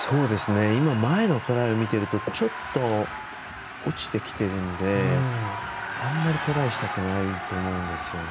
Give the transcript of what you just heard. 今、前のトライ見てるとちょっと落ちてきてるんであんまりトライしたくないと思うんですよね。